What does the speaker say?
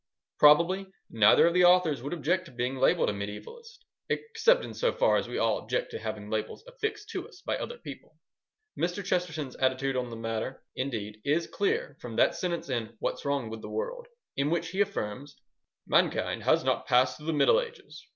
Probably, neither of the authors would object to being labelled a mediaevalist, except in so far as we all object to having labels affixed to us by other people. Mr. Chesterton's attitude on the matter, indeed, is clear from that sentence in What's Wrong with the World, in which he affirms: "Mankind has not passed through the Middle Ages.